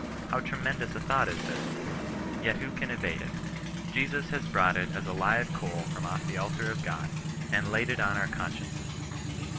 How tremendous a thought is this ! Yet who can evade it. Jesus has brought it as a live coal ^m off the altar of God, and laid it on our consciences.